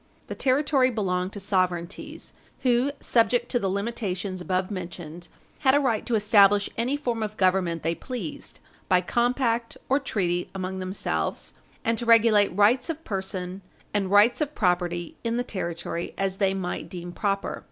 The territory belonged to sovereignties who, subject to the limitations above mentioned, had a right to establish any form of government they pleased by compact or treaty among themselves, and to regulate rights of person and rights of property in the territory as they might deem proper.